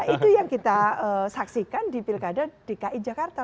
itu yang kita saksikan di pilkada dki jakarta